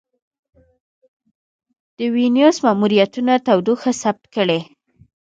د وینوس ماموریتونه تودوخه ثبت کړې.